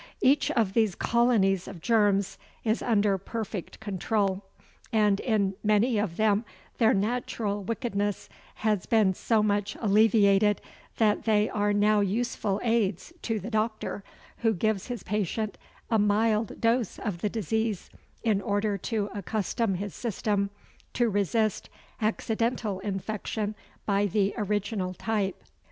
Each of these colonies of germs is under perfect control, and in many of them their natural wickedness has been so much alleviated that they are now useful aids to the doctor, who gives his patient a mild dose of the disease in order to accustom his system to resist accidental infection by the original type.